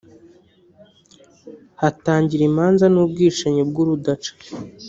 hatangira imanza n’ubwicanyi bw’urudaca